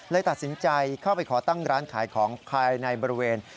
ตัดสินใจเข้าไปขอตั้งร้านขายของภายในบริเวณ